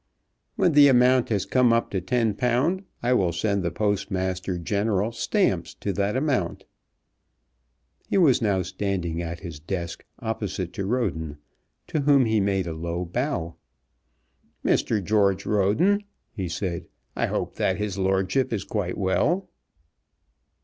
"When the amount has come up to ten pound I will send the Postmaster General stamps to that amount." He was now standing at his desk, opposite to Roden, to whom he made a low bow. "Mr. George Roden," he said, "I hope that his lordship is quite well."